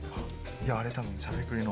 いや、あれたぶん、しゃべくりの。